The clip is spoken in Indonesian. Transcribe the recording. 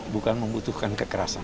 bukan membutuhkan kekerasan